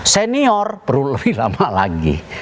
senior perlu lebih lama lagi